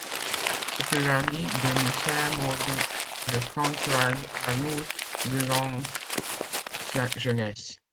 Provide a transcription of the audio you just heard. Elle fut l'amie de Michèle Morgan et de Françoise Arnoul durant sa jeunesse.